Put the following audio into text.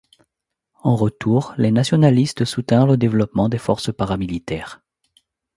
En retour, les nationalistes soutinrent le développement de forces paramilitaires.